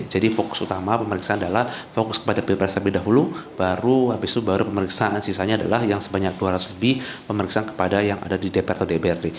jadi fokus utama pemeriksaan adalah fokus kepada pilek press lebih dahulu baru habis itu pemeriksaan sisanya adalah yang sebanyak dua ratus lebih pemeriksaan kepada yang ada di dpr atau dprd